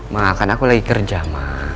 ma kan aku lagi kerja ma